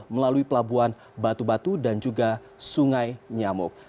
melalui pelabuhan batu batu dan juga sungai nyamuk